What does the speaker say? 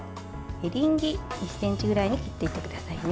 エリンギ、１ｃｍぐらいに切っていってくださいね。